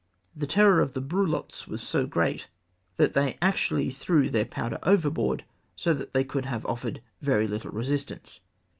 The terror of the hrulots * was so great, that they actually threiu their poiuder overboard, so that they could have offered very little resistance.